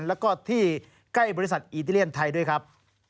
แล้วก็ที่ใกล้บริษัทอิตาเลียนไทยด้วยครับ